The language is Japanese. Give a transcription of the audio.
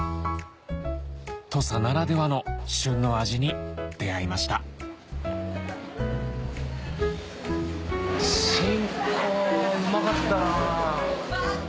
土佐ならではの旬の味に出合いましたシンコうまかったな。